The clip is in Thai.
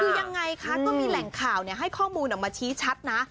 คือยังไงคะก็มีแหล่งข่าวให้ข้อมูลออกมาชี้ชัดนะ